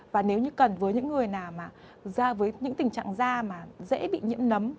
và nếu như cần với những người nào mà với những tình trạng da mà dễ bị nhiễm nấm